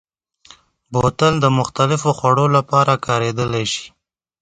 بوتل د مختلفو خوړو لپاره کارېدلی شي.